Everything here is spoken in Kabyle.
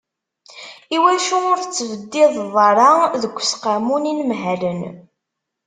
Iwacu ur d-tettbaddideḍ ara deg useqqamu n yinelmaden?